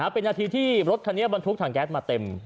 เป็นนาทีที่รถคันนี้บรรทุกถังแก๊สมาเต็ม